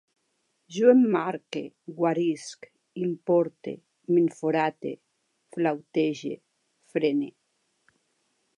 Jo emmarque, guarisc, importe, m'enforate, flautege, frene